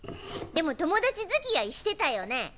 でも友達づきあいしてたよね。